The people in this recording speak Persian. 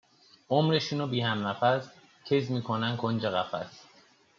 عمرشونو بی همنفس کز می کنن کنج قفس